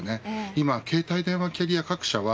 今、携帯電話キャリア各社は